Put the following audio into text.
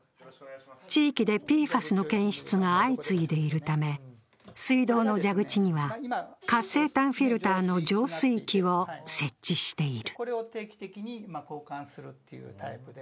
地域でＰＦＡＳの検出が相次いでいるため、水道の蛇口には活性炭フィルターの浄水器を設置している。